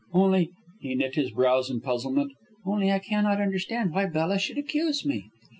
Only," he knit his brows in puzzlement, "only, I cannot understand why Bella should accuse me."